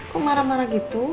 kok marah marah gitu